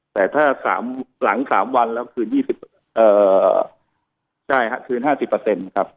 แต่ถ้าหลัง๓วันแล้วคืน๒๐ใช่ครับคืน๕๐ครับ